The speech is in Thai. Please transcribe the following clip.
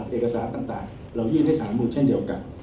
เอกสารต่างเรายื่นให้สารมูลเช่นเดียวกัน